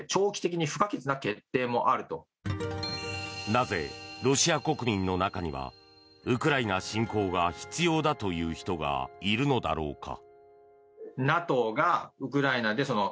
なぜ、ロシア国民の中にはウクライナ侵攻が必要だという人がいるのだろうか。